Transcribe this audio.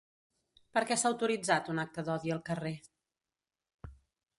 Per què s'ha autoritzat un acte d’odi al carrer?